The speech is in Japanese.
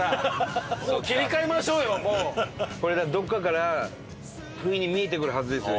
どこかから不意に見えてくるはずですよ